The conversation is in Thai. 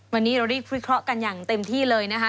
วันนี้เรารีบวิเคราะห์กันอย่างเต็มที่เลยนะคะ